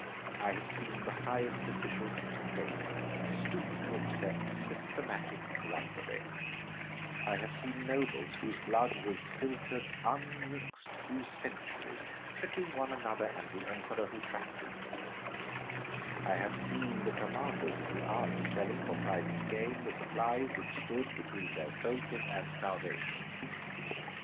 I have seen the highest officials of the state stoop to accept systematic bribery; I have seen nobles whose blood was filtered unmixed through centuries, tricking one another and the Emperor who trusted them; I have seen the commanders of the army selling for private gain the supplies which stood between their soldiers and starvation.